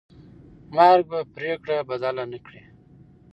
مرګ به پرېکړه بدله نه کړي.